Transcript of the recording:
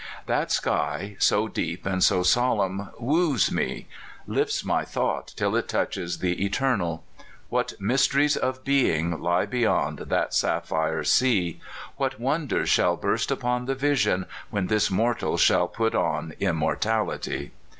That sky, so deep and so solemn, woos me lifts my thought till it touches the Eternal. What mysteries of being lie beyond that sapphire sea? What won ders shall burst upon the vision when this mortal shall put on immortality?